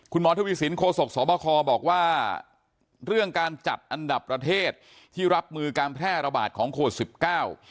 ทวีสินโคศกสบคบอกว่าเรื่องการจัดอันดับประเทศที่รับมือการแพร่ระบาดของโควิดสิบเก้า